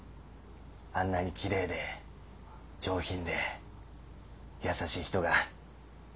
あんなに奇麗で上品で優しい人が。